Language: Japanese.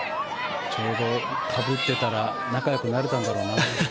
ちょうどかぶっていたら仲よくなれたんだろうな。